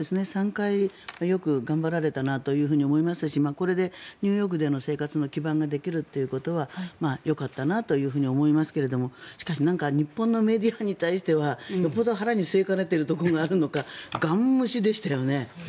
３回、よく頑張られたなと思いますしこれでニューヨークでの生活の基盤ができるということはよかったなと思いますがしかし日本のメディアに対してはよっぽど腹に据えかねているところがあるのかガン無視でしたよね。